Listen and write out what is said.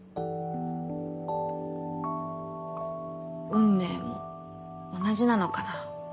運命も同じなのかな。